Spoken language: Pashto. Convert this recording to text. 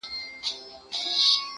ځان یې دروند سو لکه کاڼی په اوبو کي.!